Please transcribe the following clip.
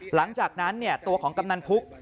หลังจากนั้นตัวของกำนันพุก